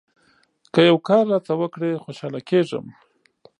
که یو کار راته وکړې ، خوشاله کېږم.